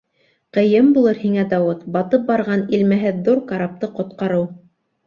Ҡыйын булыр һиңә, Дауыт, батып барған иләмһеҙ ҙур карапты ҡотҡарыу.